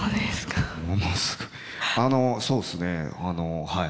あのそうですねはい。